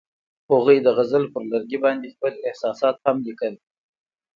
هغوی د غزل پر لرګي باندې خپل احساسات هم لیکل.